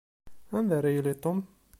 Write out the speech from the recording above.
Anda ara yili Tom?